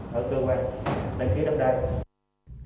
cơ quan đăng ký tất đai